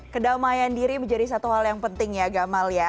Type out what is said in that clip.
kedamaian diri menjadi satu hal yang penting ya gamal ya